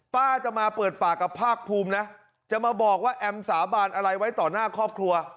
ป้าจะมาเปิดปากกับภาคภูมินะจะมาบอกว่าแอมสาบานอะไรไว้ต่อหน้าครอบครัว